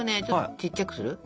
ちっちゃくする。